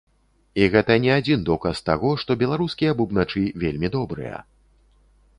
І гэта не адзін доказ таго, што беларускія бубначы вельмі добрыя.